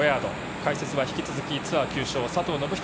解説は引き続きツアー９勝、佐藤信人